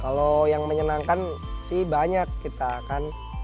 kalau yang menyenangkan sih banyak kita kan